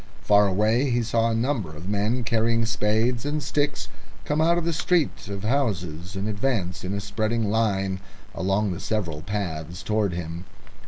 Far away he saw a number of men carrying spades and sticks come out of the street of houses, and advance in a spreading line along the several paths towards him.